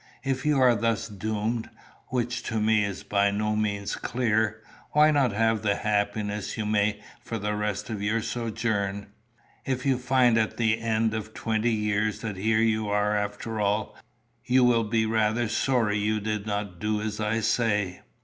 if you are thus doomed, which to me is by no means clear. Why not have what happiness you may for the rest of your sojourn? If you find at the end of twenty years that here you are after all, you will be rather sorry you did not do as I say."